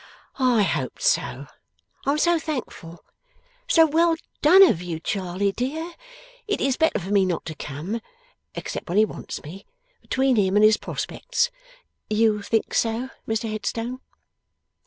'I hoped so. I am so thankful. So well done of you, Charley dear! It is better for me not to come (except when he wants me) between him and his prospects. You think so, Mr Headstone?